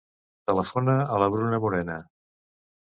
Telefona a la Bruna Morena.